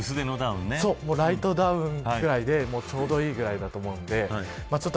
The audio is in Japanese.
もうライトダウンぐらいでちょうどいいぐらいだと思います。